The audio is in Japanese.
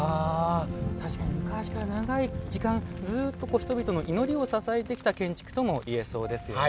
確かに昔から長い時間ずうっと人々の祈りをささげてきた建築とも言えそうですよね。